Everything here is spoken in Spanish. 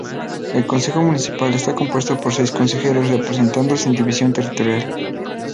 El consejo municipal está compuesto por seis consejeros representando sin división territorial.